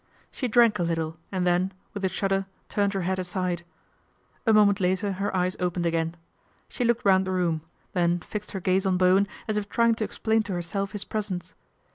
She drank a little and then, with a shudder, turned her head aside. A moment later her eyes opened again. She looked round the room, then fixed her gaze on Bowen as if trying to explain to herself his presence.